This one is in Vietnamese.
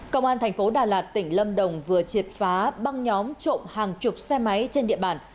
công an thành phố đà lạt tỉnh lâm đồng vừa triệt phá băng nhóm trộm hàng chục xe máy trên địa bàn